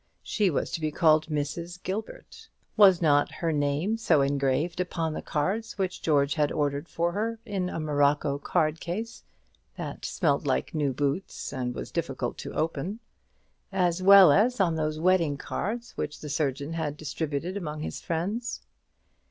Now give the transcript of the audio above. She was to be called Mrs. Gilbert: was not her name so engraved upon the cards which George had ordered for her, in a morocco card case, that smelt like new boots, and was difficult to open, as well as on those wedding cards which the surgeon had distributed among his friends?